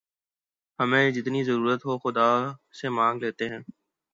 ہمیں جتنی ضرورت ہو خدا سے مانگ لیتے ہیں